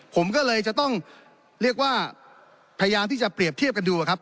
ผมก็เลยจะต้องเรียกว่าพยายามที่จะเปรียบเทียบกันดูครับ